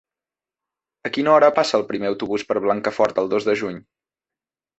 A quina hora passa el primer autobús per Blancafort el dos de juny?